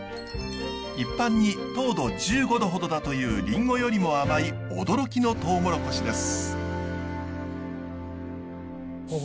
一般に糖度１５度ほどだというリンゴよりも甘い驚きのトウモロコシです。